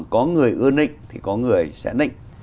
có người ưa nịnh thì có người sẽ nịnh